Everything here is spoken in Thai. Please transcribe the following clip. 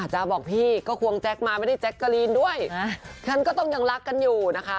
จ๊ะบอกพี่ก็ควงแจ๊คมาไม่ได้แจ๊กกะลีนด้วยฉันก็ต้องยังรักกันอยู่นะคะ